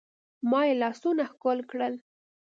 ما يې لاسونه ښکل کړل.